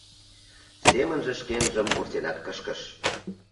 Семынже шкенжым вурсенат кышкыш.